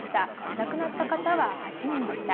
亡くなった方は８人でした。